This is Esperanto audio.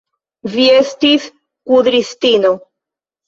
Vi estis kudristino!